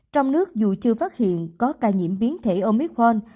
trong nước dù chưa phát hiện có ca nhiễm biến thể omicron